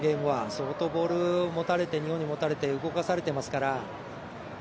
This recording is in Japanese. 相当ボールを日本に持たれて動かされてますから。